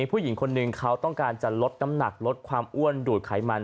ผู้หญิงคนหนึ่งเขาต้องการจะลดน้ำหนักลดความอ้วนดูดไขมัน